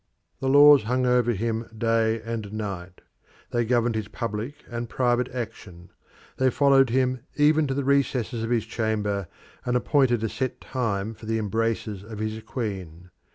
The laws hung over him day and night; they governed his public and private action: they followed him even to the recesses of his chamber, and appointed a set time for the embraces of his queen.